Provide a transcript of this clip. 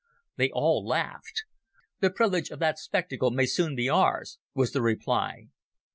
They all laughed. "The privilege of that spectacle may soon be ours," was the reply.